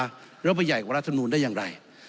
หรือว่าไปใหญ่กว่ารัฐนุนได้อย่างไร